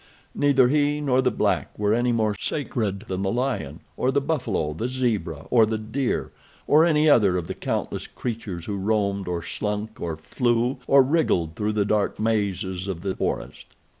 Neither he nor the black were any more sacred than the lion, or the buffalo, the zebra or the deer, or any other of the countless creatures who roamed, or slunk, or flew, or wriggled through the dark mazes of the forest.